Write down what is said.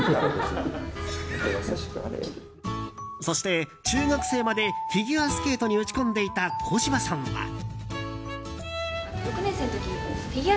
そして、中学生までフィギュアスケートに打ち込んでいた小芝さんは。